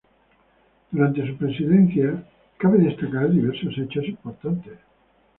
Durante su presidencia cabe destacar diversos hechos importantes.